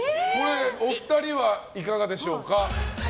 お二人はいかがでしょうか？